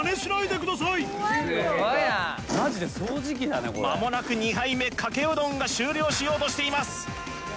これ間もなく２杯目かけうどんが終了しようとしています